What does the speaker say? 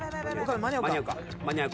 間に合うか？